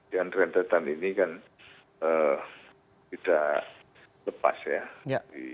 dan rentetan ini kan tidak lepas ya